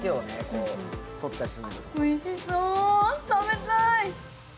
おいしそう、食べたい！